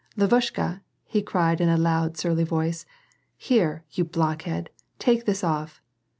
" Lav'ushka," he cried in a loud, surly voice, " Here, you blockhead — take this off